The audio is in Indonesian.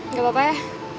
gak apa apa ya